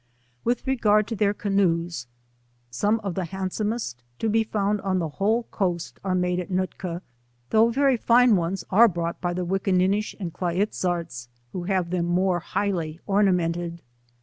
% With regard to their canoes, some of the hand somest to be found on the whole coast are made at Nootka, though very fine ones are brought by the Wickininish and the Kia iz zarts, who have them more highly ornamented.